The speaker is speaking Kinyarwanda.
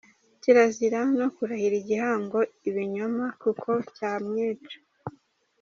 Kirazira no kurahira igihango ibinyoma, kuko cyamwica.